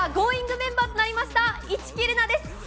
メンバーとなった市來玲奈です。